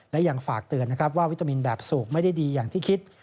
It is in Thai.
และยังฝากเตือนนะครับว่าวิตามินแบบสูบไม่ได้ดีอย่างที่คิด